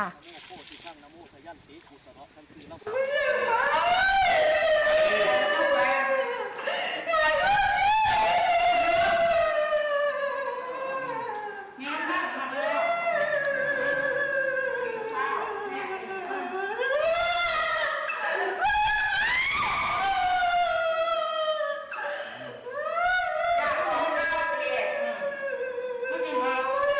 หมอปลาไปบริกุศน่า